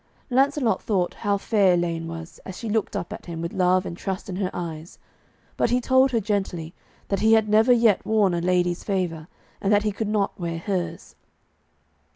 Lancelot thought how fair Elaine was, as she looked up at him with love and trust in her eyes, but he told her gently that he had never yet worn a lady's favour, and that he could not wear hers.